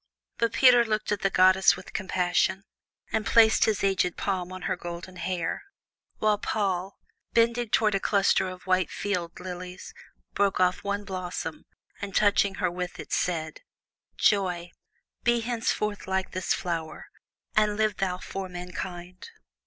But Peter looked at the goddess with compassion, and placed his aged palm on her golden hair, while Paul, bending toward a cluster of white field lilies, broke off one blossom, and touching her with it, said: "Joy, be henceforth like this flower, and live thou for mankind."